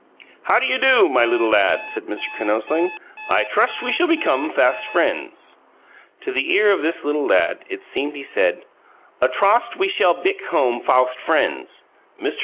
"How do you do, my little lad," said Mr. Kinosling. "I trust we shall become fast friends." To the ear of his little lad, it seemed he said, "A trost we shall bick home fawst frainds." Mr.